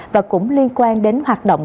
và cũng liên quan đến hoạt động